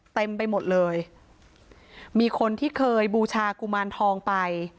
เต็มไปหมดเลยมีคนที่เคยบูชากุมารทองไป